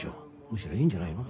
むしろいいんじゃないの？